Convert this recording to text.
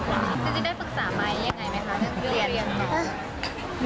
จะได้ฝึกษามาอย่างไรไหมคะเรื่องเรียน